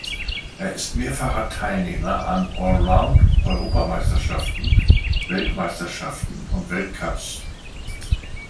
Er ist mehrfacher Teilnehmer an Allround-Europameisterschaften, -Weltmeisterschaften und Weltcups.